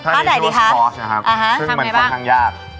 ถ้าใดดีคะอาหารยันต์นะคะซึ่งมันค่อนข้างยากนะครับค่ะทำไยบ้าง